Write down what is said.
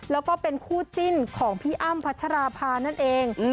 แล้วก็เป็นคู่จิ้นของพี่อ้ำพัชราภานั่นเอง